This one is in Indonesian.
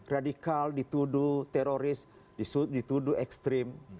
radikal dituduh teroris dituduh ekstrim